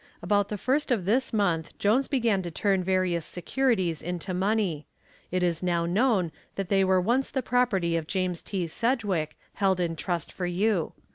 About the first of this month Jones began to turn various securities into money. It is now known that they were once the property of James T. Sedgwick, held in trust for you.